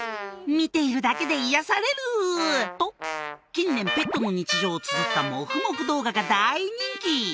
見ているだけで癒やされると近年ペットの日常をつづったもふもふ動画が大人気